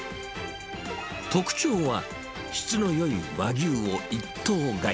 特徴は、質のよい和牛を一頭買い。